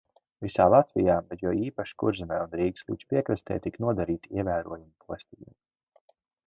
Visā Latvijā, bet jo īpaši Kurzemē un Rīgas līča piekrastē, tika nodarīti ievērojami postījumi.